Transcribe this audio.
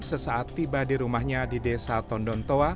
sesaat tiba di rumahnya di desa tondontoa